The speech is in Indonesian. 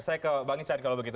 saya ke bang ican kalau begitu